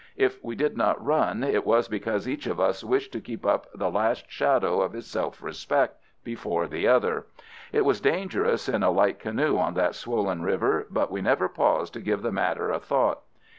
If we did not run it was because each of us wished to keep up the last shadow of his self respect before the other. It was dangerous in a light canoe on that swollen river, but we never paused to give the matter a thought.